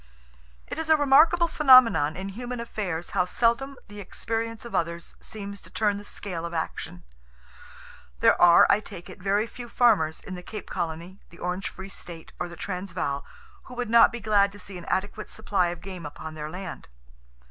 "It is a remarkable phenomenon in human affairs how seldom the experience of others seems to turn the scale of action. There are, I take it, very few farmers, in the Cape Colony, the Orange Free State, or the Transvaal, who would not be glad to see an adequate supply of game upon their land.